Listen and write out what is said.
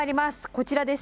こちらです。